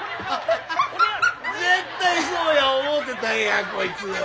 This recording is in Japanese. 絶対そうや思うてたんやこいつ。